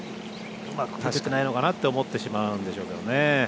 うまく打ててないのかなって思ってしまうんでしょうけどね。